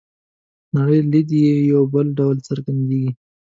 نړۍ لید یې په یوه ډول څرګندیږي.